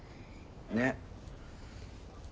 ねっ。